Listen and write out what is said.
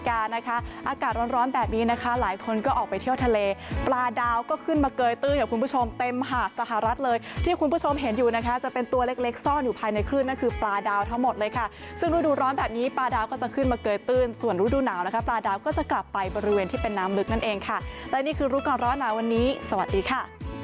อากาศร้อนแบบนี้นะคะหลายคนก็ออกไปเที่ยวทะเลปลาดาวก็ขึ้นมาเกยตื้นกับคุณผู้ชมเต็มหาดสหรัฐเลยที่คุณผู้ชมเห็นอยู่นะคะจะเป็นตัวเล็กเล็กซ่อนอยู่ภายในคลื่นนั่นคือปลาดาวทั้งหมดเลยค่ะซึ่งรูดูร้อนแบบนี้ปลาดาวก็จะขึ้นมาเกยตื้นส่วนฤดูหนาวนะคะปลาดาวก็จะกลับไปบริเวณที่เป็นน้ำลึกนั่นเองค่ะและนี่คือรู้ก่อนร้อนหนาวันนี้สวัสดีค่ะ